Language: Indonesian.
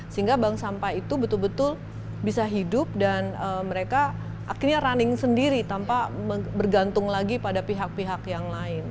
sehingga bank sampah itu betul betul bisa hidup dan mereka akhirnya running sendiri tanpa bergantung lagi pada pihak pihak yang lain